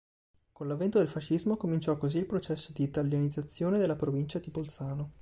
Con l'avvento del fascismo cominciò così il processo di Italianizzazione della Provincia di Bolzano.